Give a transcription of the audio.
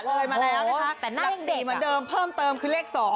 เลยมาแล้วนะคะจาก๔เหมือนเดิมเพิ่มเติมคือเลข๒